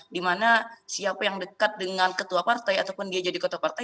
dimana siapa yang dekat dengan ketua partai ataupun dia jadi ketua partai